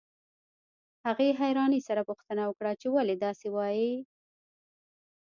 هغې حيرانۍ سره پوښتنه وکړه چې ولې داسې وايئ.